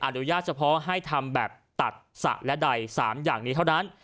อนุญาตเฉพาะให้ทำแบบตัดสระและใด๓อย่างนี้เท่านั้น